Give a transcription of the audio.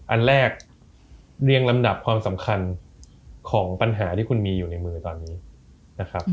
อันแรกเรียงลำดับความสำคัญของปัญหาที่คุณมีอยู่ในมือตอนนี้นะครับ